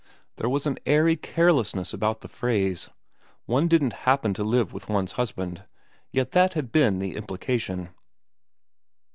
There was an airy carelessness about the phrase. One didn't happen to live with one's husband ; yet that had been the implication.